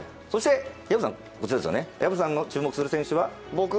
そして薮さんの注目する選手は？